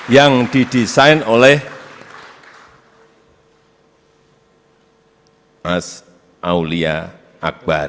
yang didesain oleh mas aulia akbar